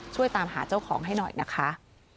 ช่วยตามหาเจ้าของให้หน่อยนะคะ